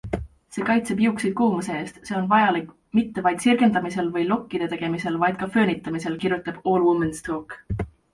See kaitseb juukseid kuumuse eest - see on vajalik mitte vaid sirgendamisel või lokkide tegemisel, vaid ka föönitamisel, kirjutab Allwomenstalk.